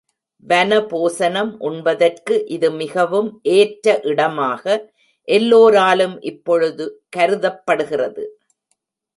வன போசனம் உண்பதற்கு இது மிகவும் ஏற்ற இடமாக எல்லோராலும் இப்பொழுது கருதப்படுகிறது.